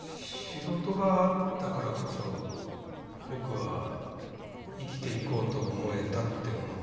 仕事があったからこそ僕は生きていこうと思えたって思ってます。